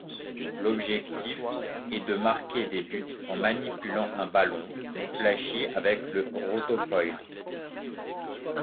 L'objectif est de marquer des buts en manipulant un ballon flashy avec le rotofoil.